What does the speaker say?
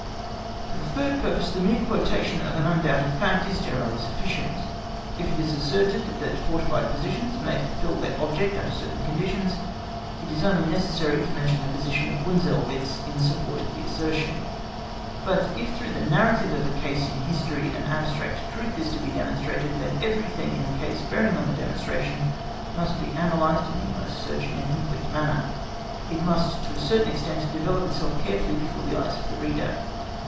For the third purpose the mere quotation of an undoubted fact is generally sufficient. If it is asserted that fortified positions may fulfil their object under certain conditions, it is only necessary to mention the position of Bunzelwitz(*) in support of the assertion. (*) Frederick the Great's celebrated entrenched camp in 1761. But if, through the narrative of a case in history, an abstract truth is to be demonstrated, then everything in the case bearing on the demonstration must be analysed in the most searching and complete manner; it must, to a certain extent, develop itself carefully before the eyes of the reader.